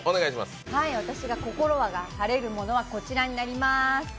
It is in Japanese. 私が心が晴れるものはこちらになります。